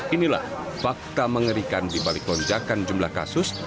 inilah fakta mengerikan di balik lonjakan jumlah kasus